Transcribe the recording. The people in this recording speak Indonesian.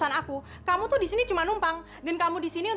kan kamu cukup kemasih malam vegetarian